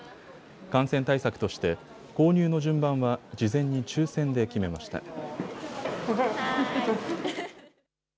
感染対策として購入の順番は事前に抽せんで決めました。